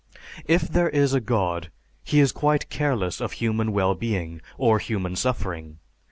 "If there is a God, he is quite careless of human well being or human suffering.